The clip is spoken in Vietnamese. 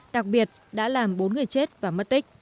đặc biệt đã làm bốn người chết và mất tích